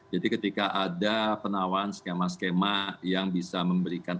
jadi ketika ada penawan skema skema yang bisa memberikan